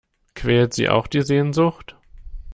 Quält Sie auch die Sehnsucht?